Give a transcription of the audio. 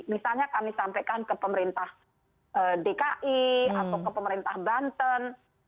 misalnya kami sampaikan ke pemerintah dki atau ke pemerintah banten